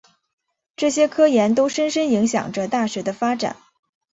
这些科研都深深影响着大学的发展。